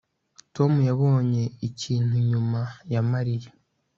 Tom yabonye ikintu inyuma ya Mariya